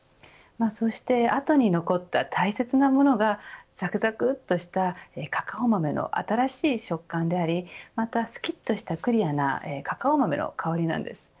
そして後に残った大切なものがざくざくとしたカカオ豆の新しい食感でありまた、すきっとしたクリアなカカオ豆の香りなんです。